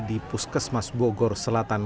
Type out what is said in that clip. di puskesmas bogor selatan